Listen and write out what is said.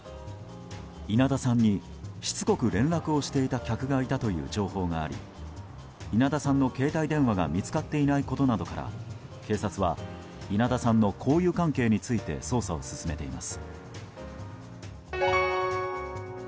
稲田さんにしつこく連絡をしていた客がいたという情報があり稲田さんの携帯電話が見つかっていないことなどから警察は稲田さんの交友関係について捜査を進めています。